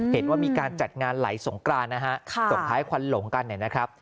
เห็นว่ามีการจัดงานไหลสงกรานนะฮะส่งท้ายควันหลงกันเนี่ยนะครับ